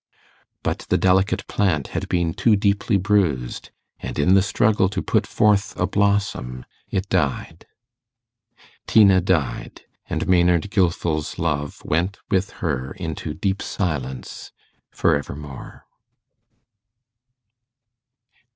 But the delicate plant had been too deeply bruised, and in the struggle to put forth a blossom it died. Tina died, and Maynard Gilfil's love went with her into deep silence for evermore.